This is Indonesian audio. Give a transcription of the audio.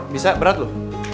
bisa berat lu